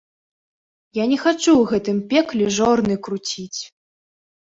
Я не хачу ў гэтым пекле жорны круціць!